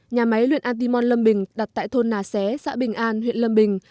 nhà máy luyện atimon lâm bình đặt tại thôn nà xé xã bình an huyện lâm bình